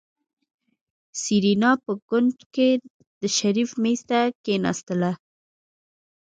سېرېنا په کونج کې د شريف مېز ته کېناستله.